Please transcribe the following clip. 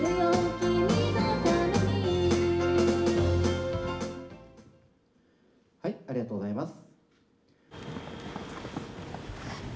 君のためにはいありがとうございます。